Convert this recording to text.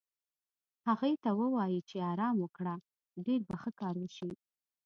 هغې ته ووایې چې ارام وکړه، ډېر به ښه کار وشي.